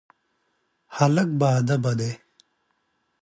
هلک باادبه دی.